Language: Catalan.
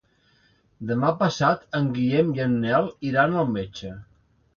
Demà passat en Guillem i en Nel iran al metge.